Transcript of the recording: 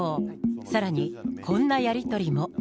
さらに、こんなやり取りも。